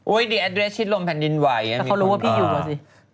โอ๊ยเดี๋ยวแอดเรสชิดร่วมแผ่นดินไหวมีคุณฟิล์มมากกว่าสิ